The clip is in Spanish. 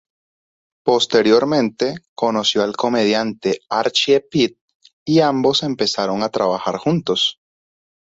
Posteriormente, conoció al comediante Archie Pitt y ambos empezaron a trabajar juntos.